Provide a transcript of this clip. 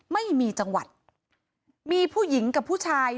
ไม่มีจังหวัดมีผู้หญิงกับผู้ชาย